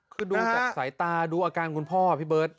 คือดูจากสายตาดูอาการคุณพ่อพี่เบิร์ต